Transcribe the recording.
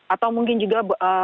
atau mungkin juga